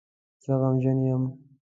زه غمجن یم